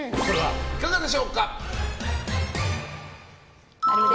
いかがでしょうか。